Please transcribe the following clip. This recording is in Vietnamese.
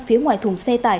phía ngoài thùng xe tải